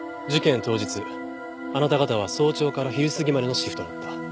事件当日あなた方は早朝から昼過ぎまでのシフトだった。